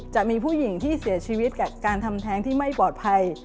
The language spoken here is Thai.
จะมีผู้หญิงที่เสียชีวิตกับการทำแท้งที่ไม่ปลอดภัย